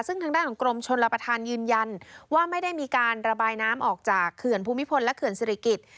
ซึ่งทางด้านของกรมชนรับประทานยืนยันว่าไม่ได้มีการระบายน้ำออกจากเขื่อนภูมิพลและเขื่อนศิริกิจ